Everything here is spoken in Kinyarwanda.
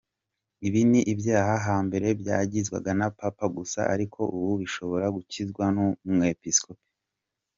Ibi ni ibyaha hambere byakizwaga na Papa gusa ariko ubu bishobora gukizwa n’Umwepisikopi.